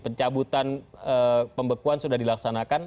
pencabutan pembekuan sudah dilaksanakan